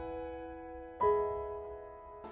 ในค่าท่ี